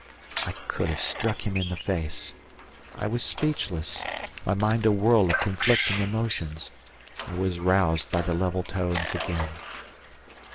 I could have struck him in the face. I was speechless, my mind a whirl of conflicting emotions. I was roused by the level tones again.